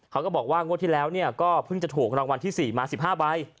เขาก็บอกว่างวดที่แล้วก็เพิ่งจะถูกรางวัลที่๔มา๑๕ใบ